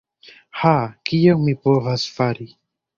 Ha... kion mi povas fari.